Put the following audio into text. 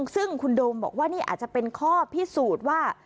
ซึ่งคุณโดมบอกว่านี่อาจจะเป็นข้อพิสูจน์ว่า